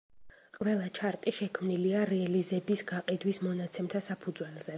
ყველა ჩარტი შექმნილია რელიზების გაყიდვის მონაცემთა საფუძველზე.